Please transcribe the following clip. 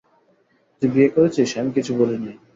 তুই বিয়ে করেছিস, আমি কিছু বলি নাই।